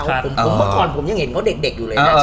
ผมเมื่อก่อนผมยังเห็นเขาเด็กอยู่เลยนะ